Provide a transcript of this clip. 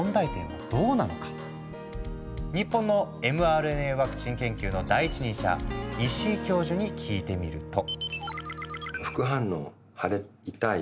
日本のｍＲＮＡワクチン研究の第一人者石井教授に聞いてみると。